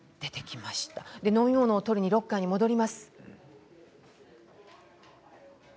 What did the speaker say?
飲み物を取りにロッカーに戻ります。